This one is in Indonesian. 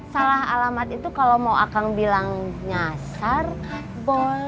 salah alamat itu kalau mau akang bilang nyasar boleh